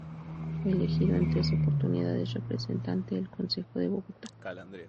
Fue elegido en tres oportunidades representante al Concejo de Bogotá.